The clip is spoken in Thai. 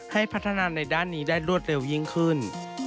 ให้พัฒนาในด้านนี้ได้รวดเร็วยิ่งขึ้น